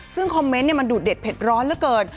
ซึ่งคอมเมนต์มันดูดเด็ดเผ็ดร้อนเหลือเกิน